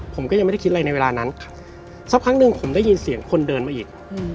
ผมก็ยังไม่ได้คิดอะไรในเวลานั้นสักพักหนึ่งผมได้ยินเสียงคนเดินมาอีก